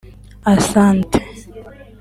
Asante